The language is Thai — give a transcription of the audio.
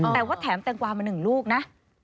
แต่ว่าแถมแตงกวามา๑ลูกนะ